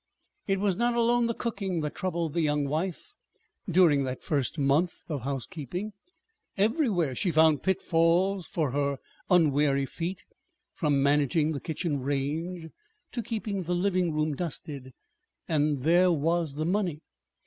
It was not alone the cooking that troubled the young wife during that first month of housekeeping. Everywhere she found pitfalls for her unwary feet, from managing the kitchen range to keeping the living room dusted. And there was the money.